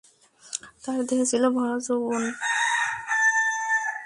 তার দেহে ছিল ভরা যৌবন।